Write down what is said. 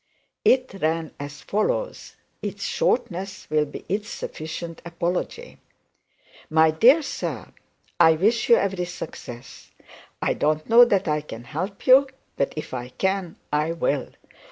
It ran as follows. Its shortness will be its sufficient apology: My dear Sir, I wish you every success. I don't know that I can help you, but if I can I will.